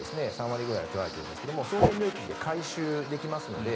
３割ぐらい取られているんですが送電料金で回収できますので